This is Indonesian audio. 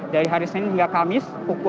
dari hari senin hingga kamis pukul